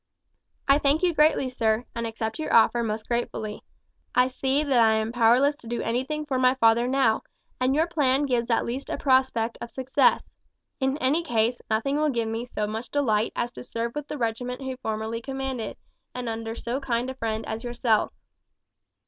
"I thank you greatly, sir, and accept your offer most gratefully. I see that I am powerless to do anything for my father now, and your plan gives at least a prospect of success. In any case nothing will give me so much delight as to serve with the regiment he formerly commanded, and under so kind a friend as yourself."